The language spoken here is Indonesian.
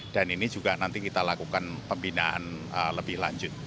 dan ini juga nanti kita lakukan pembinaan lebih lanjut